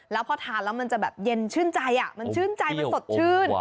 แล้วพอทานแล้วมันจะแบบเย็นชื่นใจมันชื่นใจมันสดชื่น